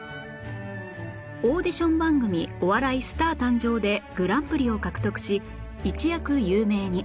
オーディション番組『お笑いスター誕生！！』でグランプリを獲得し一躍有名に